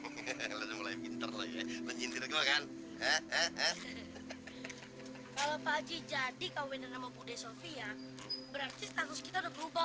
kalau pak jadi kawinan sama budaya sofia berarti status kita berubah